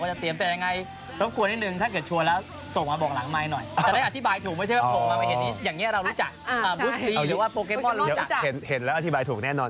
คือก่อนบินแค่วันสองวันเองที่จะไปบิน